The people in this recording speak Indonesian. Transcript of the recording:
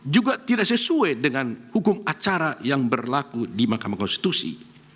juga tidak sesuai dengan hukum acara yang berlaku di mahkamah konstitusi